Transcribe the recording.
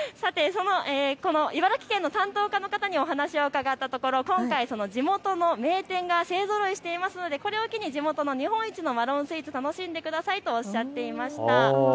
この茨城県の担当課の方にお話しを伺ったところ地元の名店がそろっているので、これを機にマロンスイーツを楽しんでくださいとおっしゃっていました。